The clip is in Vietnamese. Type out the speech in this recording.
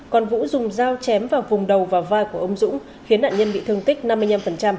còn vũ dùng dao chém vào vùng đầu và vai của ông dũng khiến nạn nhân bị thương tích năm mươi năm